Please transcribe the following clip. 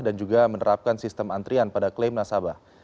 dan juga menerapkan sistem antrian pada claim nasabah